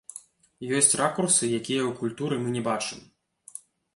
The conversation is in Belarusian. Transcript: Ёсць ракурсы, якія ў культуры мы не бачым.